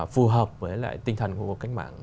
phù hợp với lại tinh thần của một cách mạng bốn